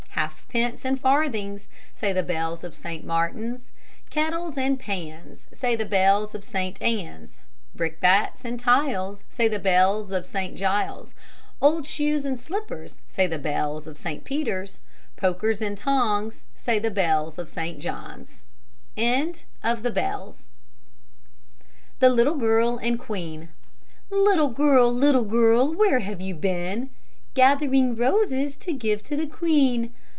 "Halfpence and farthings," Say the bells of St. Martin's. "Kettles and pans," Say the bells of St. Ann's. "Brickbats and tiles," Say the bells of St. Giles. "Old shoes and slippers," Say the bells of St. Peter's. "Pokers and tongs," Say the bells of St. John's. LITTLE GIRL AND QUEEN "Little girl, little girl, where have you been?" "Gathering roses to give to the Queen."